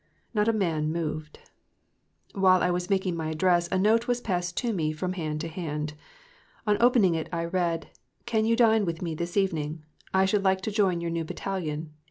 Not a man moved. While I was making my address a note was passed to me from hand to hand. On opening it I read, "Can you dine with me this evening? I should like to join your new Battalion.